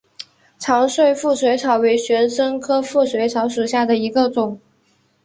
长穗腹水草为玄参科腹水草属下的一个种。